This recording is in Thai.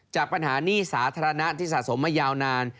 จากปัญหาหนี้สาธารณะที่สะสมมายาวนาน